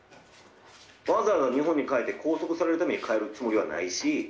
わざわざ日本に帰って拘束されるために帰るつもりはないし。